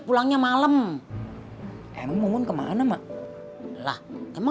warah di dalam aja nungguinnya ya